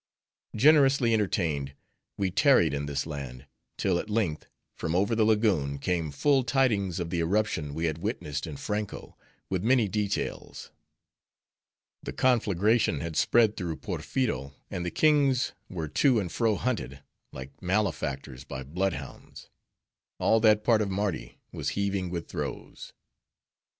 Generously entertained, we tarried in this land; till at length, from over the Lagoon, came full tidings of the eruption we had witnessed in Franko, with many details. The conflagration had spread through Porpheero and the kings were to and fro hunted, like malefactors by blood hounds; all that part of Mardi was heaving with throes.